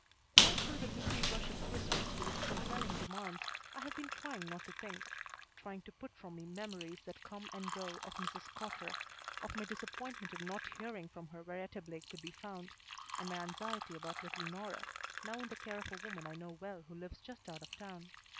All through the busy rush of Christmas with its compelling demands I have been trying not to think; trying to put from me memories that come and go of Mrs. Cotter, of my disappointment in not hearing from her where Etta Blake could be found, and my anxiety about little Nora, now in the care of a woman I know well who lives just out of town.